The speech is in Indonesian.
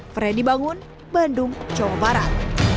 freddy bangun bandung jawa barat